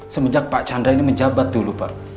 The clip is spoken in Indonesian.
semenjak pak chandra ini menjabat dulu pak